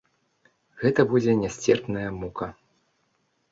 Гэта будзе нясцерпная мука!